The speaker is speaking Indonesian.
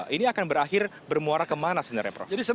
ini akan berakhir bermuara kemana sebenarnya prof